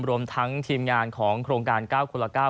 รวมทั้งทีมงานของโครงการ๙คนละ๙